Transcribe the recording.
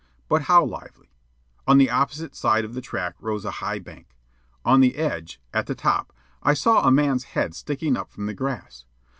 But how lively? On the opposite side of the track rose a high bank. On the edge, at the top, I saw a man's head sticking up from the grass.